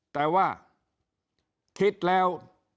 แต่ว่าคิดแล้ว